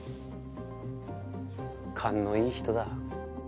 勘のいい人だ。